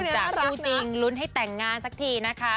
จากคู่จริงลุ้นให้แต่งงานสักทีนะคะ